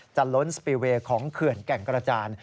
ล้นสปีเวย์ของเขื่อนแก่งกระจาน